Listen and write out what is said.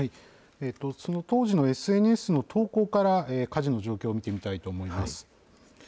その当時のＳＮＳの投稿から火事の状況を見てみたいと思います。